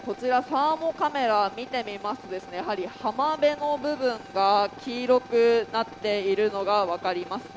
サーモカメラ見てみますと、浜辺の部分が黄色くなっているのが分かります。